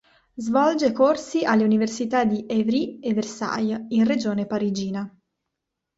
Svolge corsi alle università di Évry e Versailles, in Regione parigina.